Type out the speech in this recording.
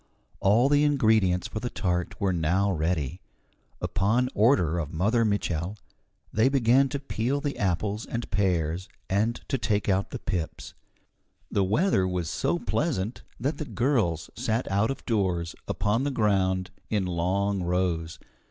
All the ingredients for the tart were now ready. Upon order of Mother Mitchel they began to peel the apples and pears and to take out the pips. The weather was so pleasant that the girls sat out of doors, upon the ground, in long rows.